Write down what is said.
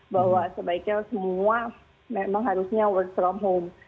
bahwa sebaiknya semua memang harusnya work from home